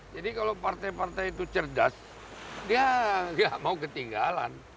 jadi kalau partai partai itu cerdas dia nggak mau ketinggalan